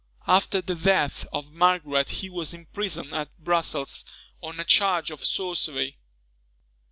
After the death of Margaret he was imprisoned at Brussels, on a charge of sorcery.